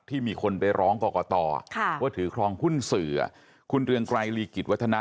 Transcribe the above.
มีคนไปร้องกรกตว่าถือครองหุ้นสื่อคุณเรืองไกรลีกิจวัฒนา